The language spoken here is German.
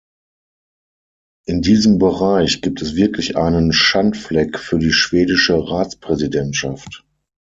In diesem Bereich gibt es wirklich einen Schandfleck für die schwedische Ratspräsidentschaft.